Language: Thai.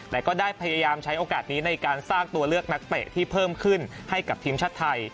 แต่ก็ได้พยายามใช้โอกาสนี้ในการสร้างตัวเลือกนักเตะที่เพิ่มขึ้นให้กับทีมชาติไทย